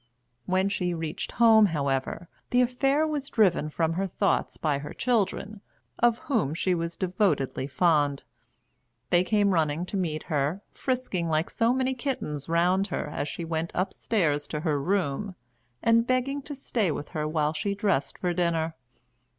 When she reached home, however, the affair was driven from her thoughts by her children, of whom she was devotedly fond. They came running to meet her, frisking like so many kittens round her as she went upstairs to her room, and begging to stay with her while she dressed for dinner.